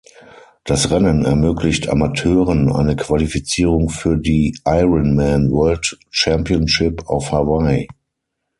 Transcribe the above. Das Rennen ermöglicht Amateuren eine Qualifizierung für die Ironman World Championship auf Hawaii.